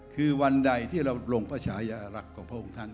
คือวันใดที่เราลงพระชายารักษ์ของพระองค์ท่าน